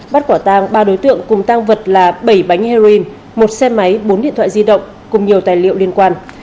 bắt quả tang ba đối tượng cùng tang vật là bảy bánh heroin một xe máy bốn điện thoại di động cùng nhiều tài liệu liên quan